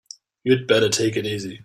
You'd better take it easy.